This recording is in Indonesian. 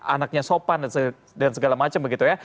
anaknya sopan dan segala macam begitu ya